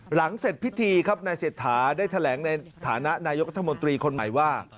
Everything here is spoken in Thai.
หลังเสร็จพิธีครับนายเศรษฐาได้แถลงในฐานะนายกรัฐมนตรีคนใหม่ว่า